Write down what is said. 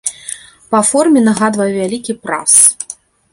Па форме нагадвае вялікі прас.